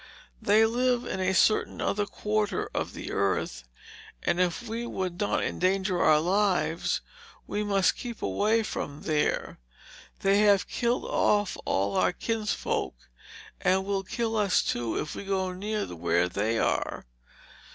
They live in a certain other quarter of the earth, and if we would not endanger our lives we must keep away from there. They have killed off all our kinsfolk and will kill us, too, if we go near where they are."